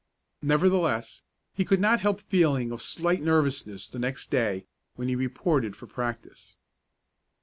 Nevertheless, he could not help a feeling of slight nervousness the next day, when he reported for practice.